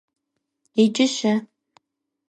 Иджы-щэ?